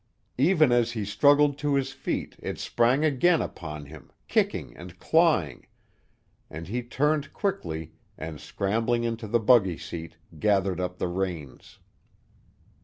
Even as he struggled to his feet it sprang again upon him, kicking and clawing, and he turned quickly, and scrambling into the buggy seat, gathered up the reins.